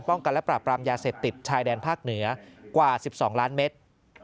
กันและปราบรามยาเสพติดชายแดนภาคเหนือกว่า๑๒ล้านเมตร